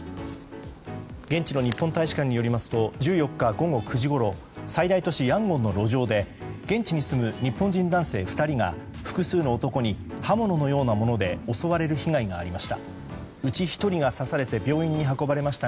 現地の日本大使館によりますと１４日午後９時ごろ最大都市ヤンゴンの路上で現地に住む日本人男性２人が複数の男に刃物のようなもので襲われる被害がありました。